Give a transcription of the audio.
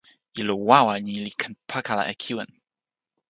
ilo wawa ni li ken pakala e kiwen.